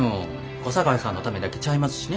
小堺さんのためだけちゃいますしね。